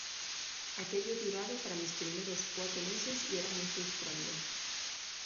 Aquello durado para mis primeros cuatro meses y era muy frustrando.